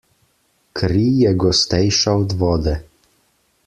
Kri je gostejša od vode.